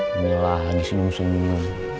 mulalah disini harus nunggu